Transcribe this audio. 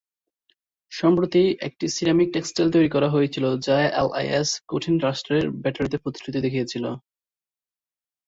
সম্প্রতি, একটি ceramic textile তৈরি করা হয়েছিল যা এলআই-এস কঠিন রাষ্ট্রের ব্যাটারিতে প্রতিশ্রুতি দেখিয়েছিল।